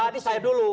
tadi saya dulu